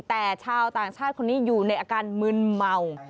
แต่ชาวต่างชาติคนนี้อยู่ในอาการมึนเมา